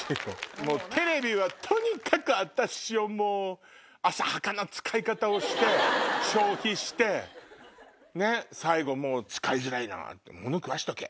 テレビはとにかく私を浅はかな使い方をして消費して最後「使いづらいな！もの食わしとけ！」